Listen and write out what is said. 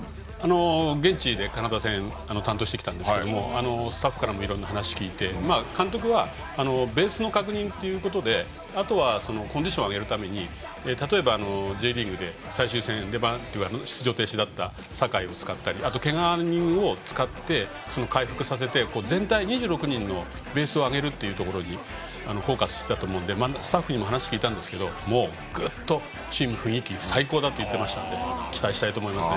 現地でカナダ戦を担当してきたんですけどスタッフからもいろいろ話を聞いて監督はベースの確認ということであとは、コンディションを上げるために例えば、Ｊリーグで最終戦で出場停止だった酒井を使ったりけが人を使って、回復させて全体２６人のベースを上げるというところにフォーカスしたと思いますのでスタッフにも聞いたんですがチームの雰囲気は最高だというので期待したいと思います。